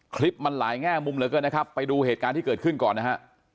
คลิปมันหลายแง่มุมเหลือเกินนะครับไปดูเหตุการณ์ที่เกิดขึ้นก่อนนะฮะ